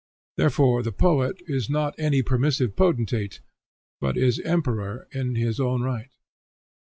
Therefore the poet is not any permissive potentate, but is emperor in his own right.